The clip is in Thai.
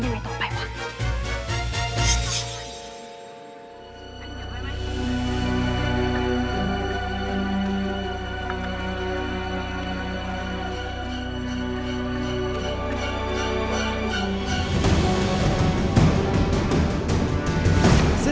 ใช่มั้ยมันจะเป็นยังไงต่อไปวะ